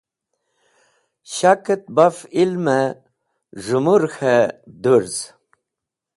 Shakẽt baf Ilmẽ z̃hẽmũr k̃hẽ dũrz.